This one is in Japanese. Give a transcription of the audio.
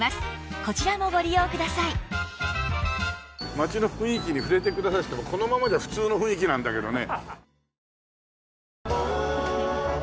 町の雰囲気に触れてくださいっていってもこのままじゃ普通の雰囲気なんだけどね。